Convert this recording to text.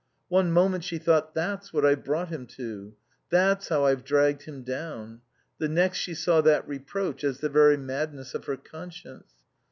One moment she thought: That's what I've brought him to. That's how I've dragged him down. The next she saw that reproach as the very madness of her conscience.